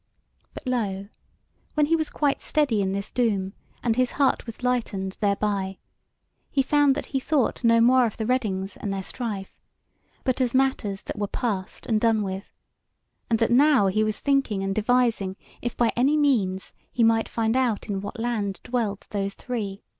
But lo, when he was quite steady in this doom, and his heart was lightened thereby, he found that he thought no more of the Reddings and their strife, but as matters that were passed and done with, and that now he was thinking and devising if by any means he might find out in what land dwelt those three.